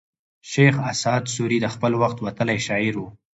شېخ اسعد سوري د خپل وخت وتلى شاعر وو.